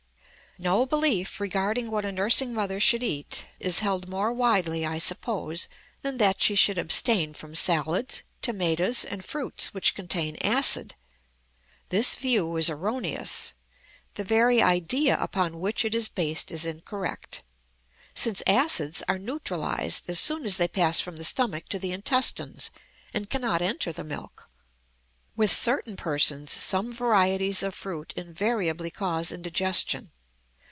No belief regarding what a nursing mother should eat is held more widely, I suppose, than that she should abstain from salads, tomatoes, and fruits which contain acid. This view is erroneous. The very idea upon which it is based is incorrect, since acids are neutralized as soon as they pass from the stomach to the intestines and cannot enter the milk. With certain persons some varieties of fruit invariably cause indigestion.